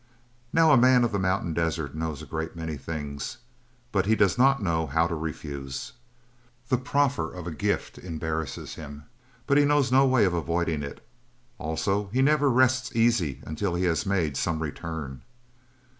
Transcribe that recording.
Now a man of the mountain desert knows a great many things, but he does not know how to refuse. The proffer of a gift embarrasses him, but he knows no way of avoiding it; also he never rests easy until he has made some return.